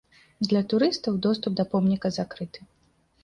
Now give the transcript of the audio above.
Для турыстаў доступ да помніка закрыты.